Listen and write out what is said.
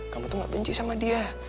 kamu tuh gak benci sama dia